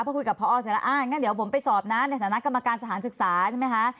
พอคุยกับพอเสร็จแล้วอ่างั้นเดี๋ยวผมไปสอบนะในฐานะกรรมการสถานศึกษาใช่ไหมคะ